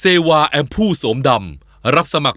ตัวฉันอยู่ข้างในอายมี